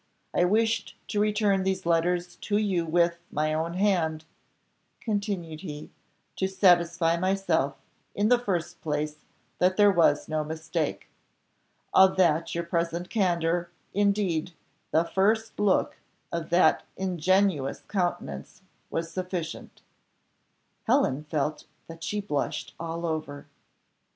I wished to return these letters to you with, my own hand," continued he, "to satisfy myself, in the first place, that there was no mistake. Of that your present candour, indeed, the first look of that ingenuous countenance, was sufficient." Helen felt that she blushed all over.